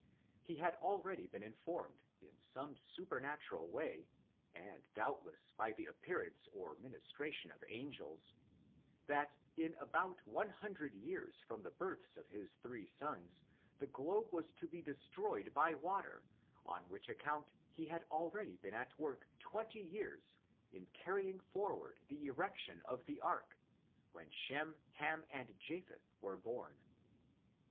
He had already been informed, in some supernatural way, and, doubtless, by the appearance or ministra tion of angels, that in about 100 years from the births of his three sons, the globe was to be destroyed by water, on which account he had already been at work twenty years in carrying forward the erection of the ark, when Shem, Ham and Japheth were born.